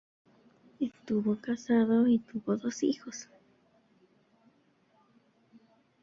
Estuvo casado y tuvo dos hijos.